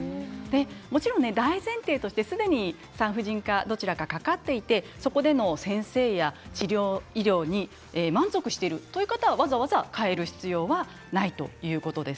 もちろん大前提としてすでに産婦人科どちらかかかっていてそこでの先生や治療医療に満足しているという方はわざわざ変える必要はないということです。